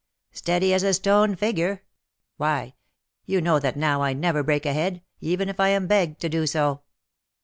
"Steady as a stone figure. Why, you know that now I never break a head, even if I am begged to do so!"